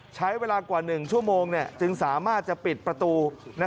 ใช้เวลากว่า๑ชั่วโมงจึงสามารถจะปิดประตู